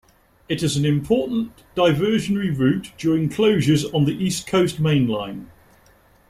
It is an important diversionary route during closures on the East Coast Main Line.